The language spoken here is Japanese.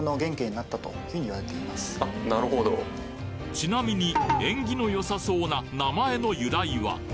ちなみに縁起の良さそうな名前の由来は？